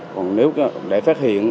còn nếu để phát hiện